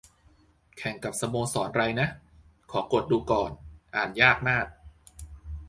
แข่งกับสโมสรไรนะ ขอกดดูก่อน อ่านยากมาก